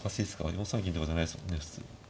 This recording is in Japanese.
４三銀とかじゃないですもんね普通。